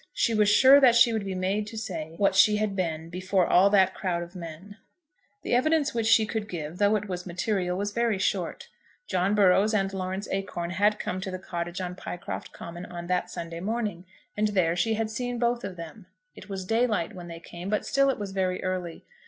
She was sure that she would be made to say what she had been before all that crowd of men. The evidence which she could give, though it was material, was very short. John Burrows and Lawrence Acorn had come to the cottage on Pycroft Common on that Sunday morning, and there she had seen both of them. It was daylight when they came, but still it was very early.